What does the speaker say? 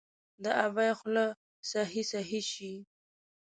د ابۍ خوله سخي، سخي شي